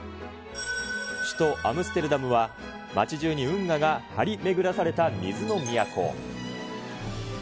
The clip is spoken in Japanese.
首都アムステルダムは、街じゅうに運河が張り巡らされた水の都。